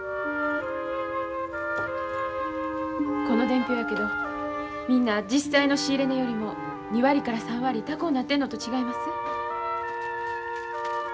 この伝票やけどみんな実際の仕入れ値よりも２割から３割高うなってんのと違います？